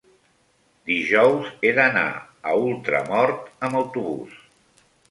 dijous he d'anar a Ultramort amb autobús.